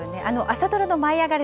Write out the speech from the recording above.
朝ドラの舞いあがれ！